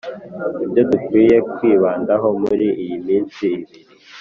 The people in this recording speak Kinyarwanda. Ibyo dukwiye kwibandaho muri iyi iminsi ibiri